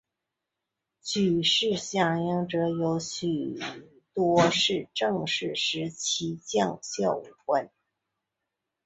举事响应者有许多是郑氏时期将校武官。